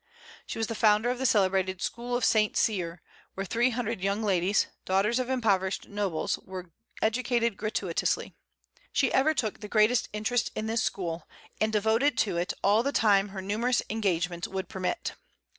She was the founder of the celebrated School of St. Cyr, where three hundred young ladies, daughters of impoverished nobles, were educated gratuitously. She ever took the greatest interest in this school, and devoted to it all the time her numerous engagements would permit.